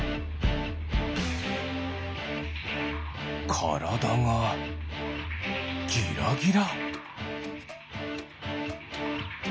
からだがギラギラ。